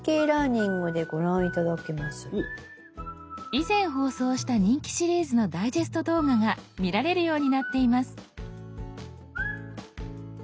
以前放送した人気シリーズのダイジェスト動画が見られるようになっています。